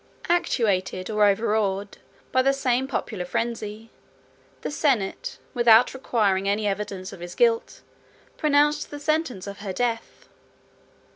Actuated, or overawed, by the same popular frenzy, the senate, without requiring any evidence of his guilt, pronounced the sentence of her death.